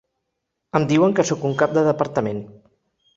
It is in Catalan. Em diuen que sóc un cap de departament.